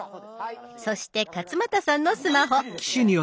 そして勝俣さんのスマホ。